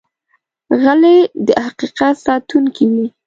غلی، د حقیقت ساتونکی وي.